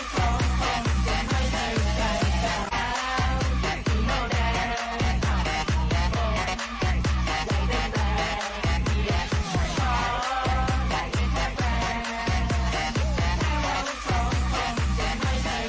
สวัสดีครับ